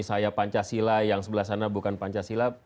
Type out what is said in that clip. saya pancasila yang sebelah sana bukan pancasila